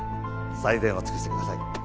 最善を尽くしてください。